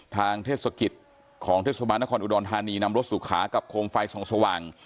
เทศกิจของเทศบาลนครอุดรธานีนำรถสุขากับโคมไฟส่องสว่าง